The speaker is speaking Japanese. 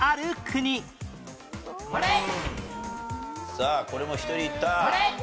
さあこれも１人いった。